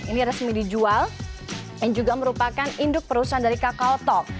ini resmi dijual dan juga merupakan induk perusahaan dari kakao talk